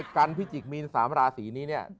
กันพิจิกษมี๓ราศีนี้เนี่ย